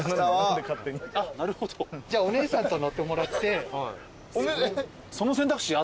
じゃあお姉さんと乗ってもらって。